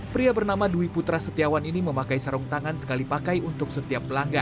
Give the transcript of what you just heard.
pria bernama dwi putra setiawan ini memakai sarung tangan sekali pakai untuk setiap pelanggan